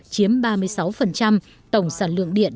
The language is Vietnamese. chiếm ba mươi sáu tổng sản lượng điện